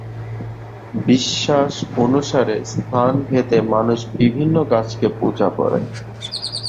বিশ্বাস অনুসারে স্থান ভেদে মানুষ বিভিন্ন গাছকে পূজা করে।